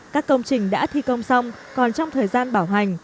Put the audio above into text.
các công trình đã thi công xong còn trong thời gian bảo hành